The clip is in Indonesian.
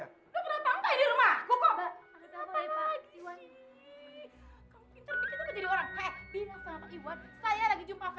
aku pernah sampai di rumah koko